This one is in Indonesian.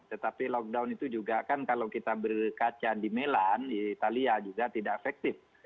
tetapi lockdown itu juga kan kalau kita berkaca di melan di italia juga tidak efektif